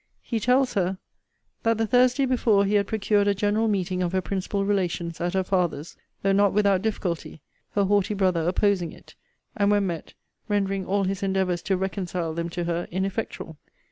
He tells her, 'That the Thursday before he had procured a general meeting of her principal relations, at her father's; though not without difficulty, her haughty brother opposing it, and, when met, rendering all his endeavours to reconcile them to her ineffectual.